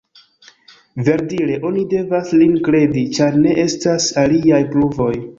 Verdire oni devas lin kredi, ĉar ne estas aliaj pruvoj.